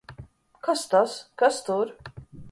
Kas tas! Kas tur!